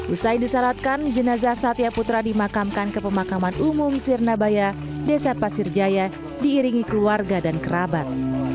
usai disalatkan jenazah satya putra dimakamkan ke pemakaman umum sirnabaya desa pasir jaya diiringi keluarga dan kerabat